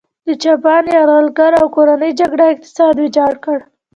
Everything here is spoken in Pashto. د جاپان یرغل او کورنۍ جګړو اقتصاد ویجاړ کړ.